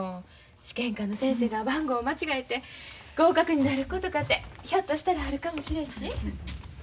試験官の先生が番号間違えて合格になることかてひょっとしたらあるかもしれんし。